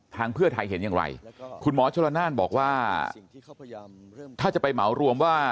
เพื่อไทยเห็นอย่างไรคุณหมอชลนานบอกว่าถ้าจะไปเหมารวมว่า